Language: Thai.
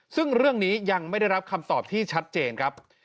ซึ่งเรื่องนี้ยังไม่ได้รับคำตอบที่ชัดเจนครับ